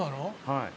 「はい。